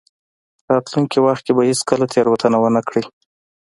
راتلونکي وخت کې به هېڅکله تېروتنه ونه کړئ.